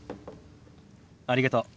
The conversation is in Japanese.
ありがとう。